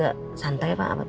gak santai apa